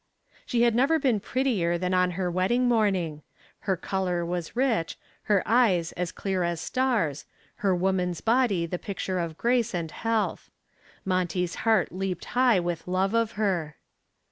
She had never been prettier than on her wedding morning. Her color was rich, her eyes as clear as stars, her woman's body the picture of grace and health. Monty's heart leaped high with love of her.